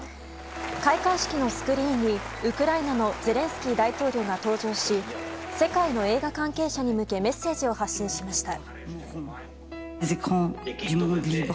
開会式のスクリーンにウクライナのゼレンスキー大統領が登場し世界の映画関係者に向けメッセージを発信しました。